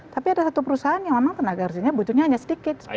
tapi ada satu perusahaan yang memang tenaga kerjanya butuhnya hanya sedikit